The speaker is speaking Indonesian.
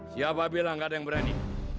siapa bilang gak ada yang berani